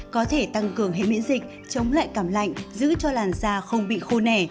có thể tăng cường hệ miễn dịch chống lại cảm lạnh giữ cho làn da không bị khô nẻ